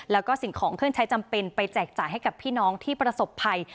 แล้วก็สิ่งของเครื่องใช้จำเป็นไปแจกจ่ายให้กับพี่น้องที่ประสบภัย